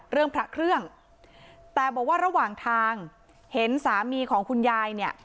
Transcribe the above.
พระเครื่องแต่บอกว่าระหว่างทางเห็นสามีของคุณยายเนี่ย